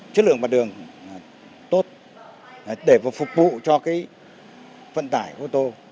chất lượng và đường tốt để phục vụ cho vận tải ô tô